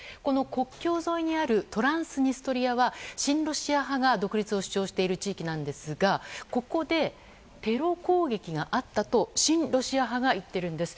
国境沿いにあるトランスニストリアは親ロシア派が独立を主張している地域なんですがここでテロ攻撃があったと親ロシア派が言っているんです。